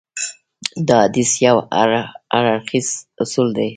دا حديث يو هراړخيز اصول دی.